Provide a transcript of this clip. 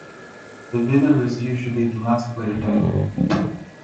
The winner is usually the last player to move.